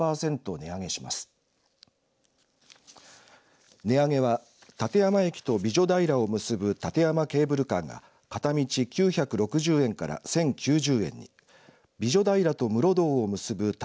値上げは立山駅と美女平を結ぶ立山ケーブルカーが片道９６０円から１０９０円に美女平と室堂を結ぶ立